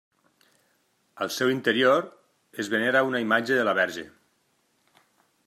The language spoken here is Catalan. Al seu interior es venera una imatge de la Verge.